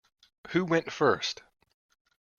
Who went first?